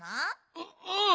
ううん。